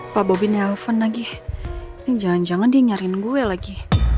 pak bobine alvan lagi ini jangan jangan dinyarin gue lagi